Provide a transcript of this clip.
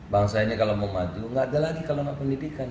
bangsa ini kalau mau maju gak ada lagi kalau mau pendidikan